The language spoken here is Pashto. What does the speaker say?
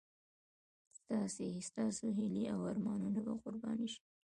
ستاسو هیلې او ارمانونه به قرباني شي.